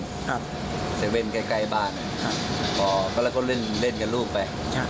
ครับเซเว่นใกล้บ้านครับพอแล้วก็เล่นเล่นกับลูกไป